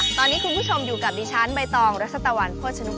ตอนนี้คุณผู้ชมอยู่กับดิฉันใบตองรสตวรรค์พวชนคูณค่ะ